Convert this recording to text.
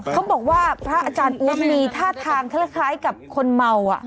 เขาบอกว่าพระอาจารย์อ้วกมีท่าทางคล้ายกับคนเมา